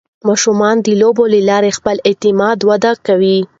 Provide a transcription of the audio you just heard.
ماشومان د لوبو له لارې خپل اعتماد وده کوي.